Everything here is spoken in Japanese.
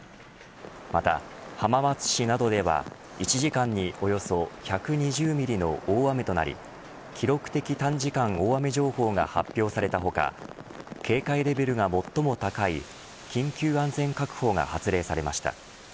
また、浜松市などでは１時間におよそ１２０ミリの大雨となり記録的短時間大雨情報が発表された他警戒レベルが最も高い緊急安全確保が発令されました。